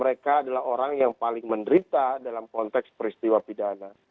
mereka adalah orang yang paling menderita dalam konteks peristiwa pidana